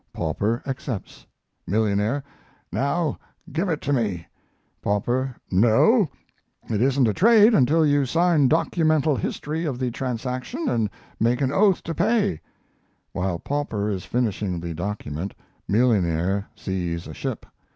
Pauper accepts. Millionaire: "Now give it to me." Pauper: "No; it isn't a trade until you sign documental history of the transaction and make an oath to pay." While pauper is finishing the document millionaire sees a ship.